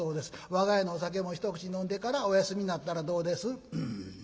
我が家のお酒も一口飲んでからおやすみになったらどうです？」。